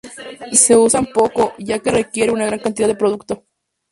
Se usan poco ya que requiere una gran cantidad de producto.